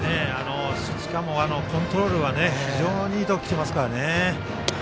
しかも、コントロールは非常にいいところに来ていますからね。